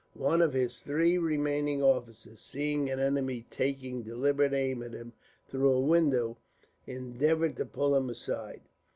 One of his three remaining officers, seeing an enemy taking deliberate aim at him through a window, endeavoured to pull him aside.